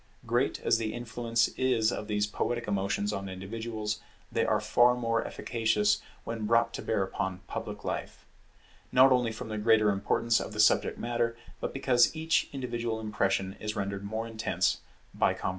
Great as the influence is of these poetic emotions on individuals, they are far more efficacious when brought to bear upon public life: not only from the greater importance of the subject matter, but because each individual impression is rendered more intense by combination.